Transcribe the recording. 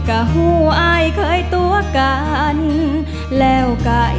โอ้โฮ